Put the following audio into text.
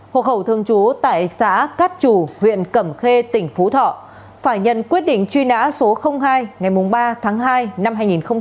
hộ khẩu thường trú tại xã cát chủ huyện cẩm khê tỉnh phú thọ phải nhận quyết định truy nã số hai ngày ba tháng hai năm hai nghìn một mươi